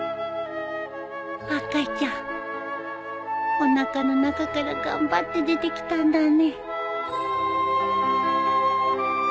おなかの中から頑張って出てきたんだね。